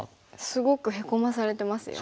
すごくヘコまされてますよね。